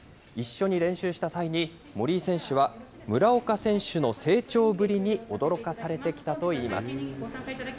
一緒に練習した際に、森井選手は村岡選手の成長ぶりに驚かされてきたといいます。